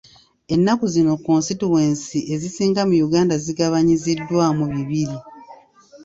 Ensangi zino konsitituwensi ezisinga mu Uganda zigabanyiziddwamu bibiri.